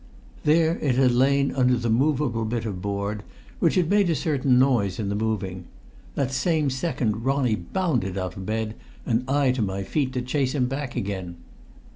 There it had lain under the movable bit of board, which had made a certain noise in the moving. That same second Ronnie bounded out of bed, and I to my feet to chase him back again.